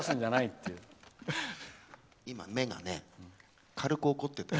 今、目が軽く怒ってたよ。